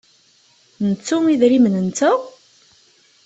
Nettu idrimen-nteɣ?